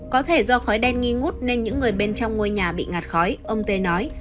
có thể do khói đen nghi ngút nên những người bên trong ngôi nhà bị ngạt khói ông tê nói